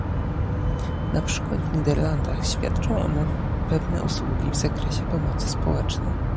Na przykład w Niderlandach świadczą one pewne usługi w zakresie pomocy społecznej